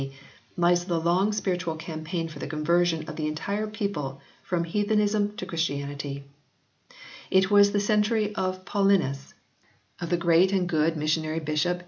lies the long spiritual campaign for the conversion of the entire people from heathenism to Christianity. It was the century of Paulinus, of the great and good missionary bishop 10 HISTORY OF THE ENGLISH BIBLE [OH.